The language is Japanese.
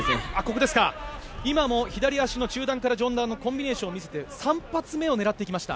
今も左足の中段から上段のコンビネーションを見せて３発目を見せてきました。